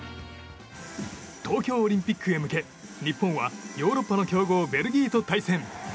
東京オリンピックへ向け日本はヨーロッパの強豪ベルギーと対戦。